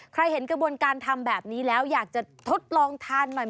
เห็นกระบวนการทำแบบนี้แล้วอยากจะทดลองทานหน่อย